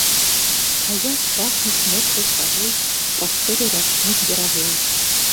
А як пахнуць мокрай травой прасторы рачных берагоў!